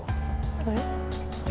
あれ？